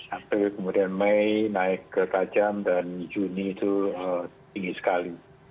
april kemudian mei naik ke tajam dan juni itu tinggi sekali